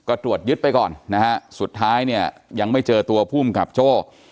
ก็ตรวจยึดไปก่อนนะฮะสุดท้ายเนี่ยยังไม่เจอตัวภูมิกับโจ้